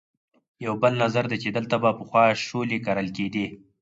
یو بل نظر دی چې دلته به پخوا شولې کرلې کېدې.